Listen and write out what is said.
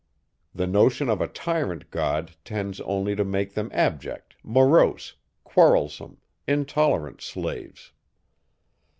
The notion of a tyrant god tends only to make them abject, morose, quarrelsome, intolerant slaves.